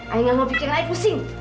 ayah gak mau pikirkan ayah pusing